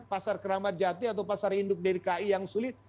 pasar keramat jati atau pasar induk dki yang sulit